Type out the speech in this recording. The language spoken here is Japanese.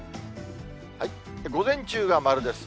午前中は丸です。